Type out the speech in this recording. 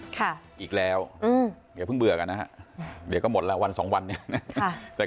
ค่ะอีกแล้วอืมเดี๋ยวเพิ่งเบื่อกันนะฮะเดี๋ยวก็หมดแล้ววันสองวันเนี้ย